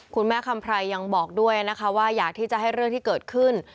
คำไพรยังบอกด้วยนะคะว่าอยากที่จะให้เรื่องที่เกิดขึ้น